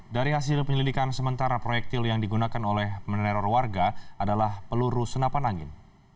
dari hasil penyelidikan sementara proyektil yang digunakan oleh meneror warga adalah peluru senapan angin